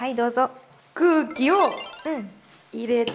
空気を入れて。